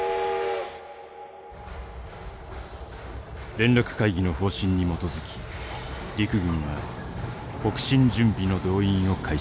連絡会議の方針に基づき陸軍は北進準備の動員を開始した。